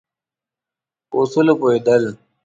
په اصولو پوهېدل.